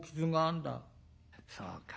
「そうか。